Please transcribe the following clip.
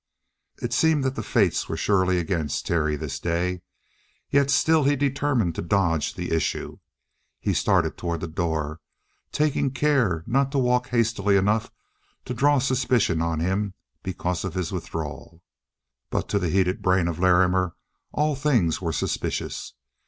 It seemed that the fates were surely against Terry this day. Yet still he determined to dodge the issue. He started toward the door, taking care not to walk hastily enough to draw suspicion on him because of his withdrawal, but to the heated brain of Larrimer all things were suspicious.